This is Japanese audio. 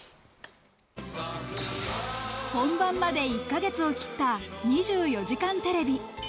本番まで１か月を切った『２４時間テレビ』。